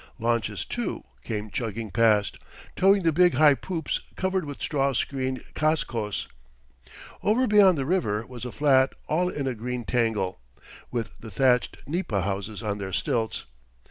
Launches, too, came chugging past, towing the big high poops covered with straw screened cascos. Over beyond the river was a flat all in a green tangle, with the thatched nipa houses on their stilts.